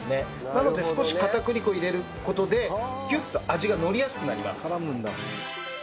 なので少し片栗粉を入れる事でギュッと味がのりやすくなります。